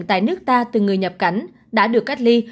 tại nước ta từ người nhập cảnh đã được cách ly